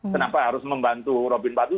kenapa harus membantu robin empat puluh tujuh